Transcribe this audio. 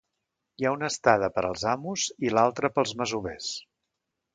Hi ha una estada per als amos i l'altre pels masovers.